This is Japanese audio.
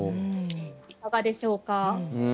いかがでしょうか？